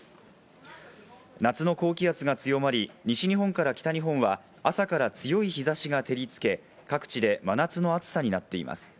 夏の高気圧が強まり、西日本から北日本は朝から強い日差しが照りつけ、各地で真夏の暑さになっています。